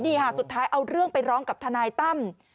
นี่ค่ะสุดท้ายเอาเรื่องไปร้องกับทนายตั้ม